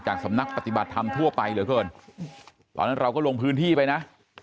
จากสำนักปฏิบัติธรรมทั่วไปเหลือเพิ่งเราก็ลงพื้นที่ไปนะ